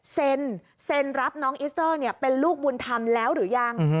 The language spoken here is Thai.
เซ็นรับน้องอิสเตอร์เป็นลูกบุญธรรมแล้วหรือยัง